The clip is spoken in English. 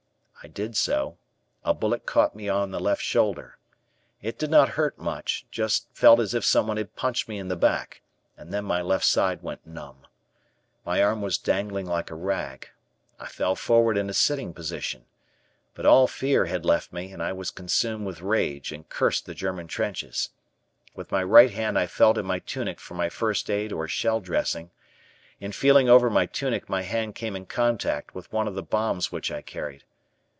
I did so; a bullet caught me on the left shoulder. It did not hurt much, just felt as if someone had punched me in the back, and then my left side went numb. My arm was dangling like a rag. I fell forward in a sitting position. But all fear had left me and I was consumed with rage and cursed the German trenches. With my right hand I felt in my tunic for my first aid or shell dressing. In feeling over my tunic my hand came in contact with one of the bombs which I carried.